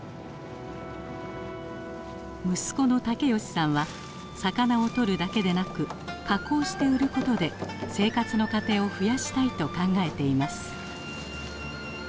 息子の則義さんは魚を取るだけでなく加工して売ることで生活の糧を増やしたいと考えています。